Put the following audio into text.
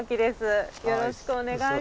よろしくお願いします。